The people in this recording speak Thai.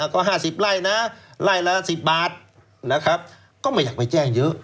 ก็๕๐ไร่นะไล่ละ๑๐บาทนะครับก็ไม่อยากไปแจ้งเยอะ